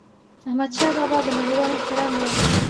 احمدشاه بابا د نړيوالو د احترام وړ و.